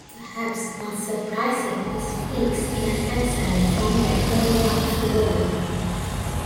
Perhaps not surprising, he speaks in an accent from that area of the world.